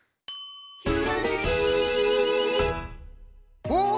「ひらめき」ん？